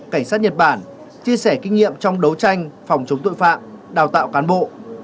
cảnh sát nhật bản chia sẻ kinh nghiệm trong đấu tranh phòng chống tội phạm đào tạo cán bộ